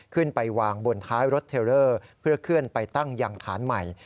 ขึ้นไปวางบนท้ายรถเทลเลอร์เพื่อเคลื่อนไปตั้งยังฐานใหม่